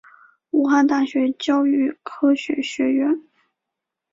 武汉大学教育科学学院